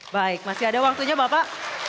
baik masih ada waktunya bapak